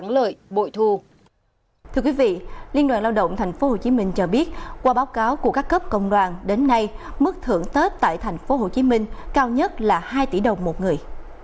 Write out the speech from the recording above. thưa đoàn lao động tp hcm cho biết qua báo cáo của các cấp công đoàn đến nay mức thưởng tết tại tp hcm cao nhất là hai tỷ đồng một người